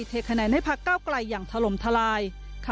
เทคะแนนให้พักเก้าไกลอย่างถล่มทลาย